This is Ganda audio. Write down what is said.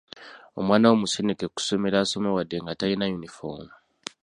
Omwana wo musindike ku ssomero asome wadde nga talina yunifoomu.